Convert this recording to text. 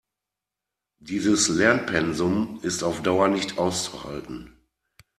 Dieses Lernpensum ist auf Dauer nicht auszuhalten.